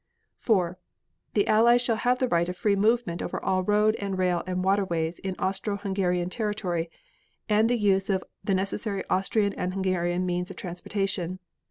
4. The Allies shall have the right of free movement over all road and rail and waterways in Austro Hungarian territory and of the use of the necessary Austrian and Hungarian means of transportation.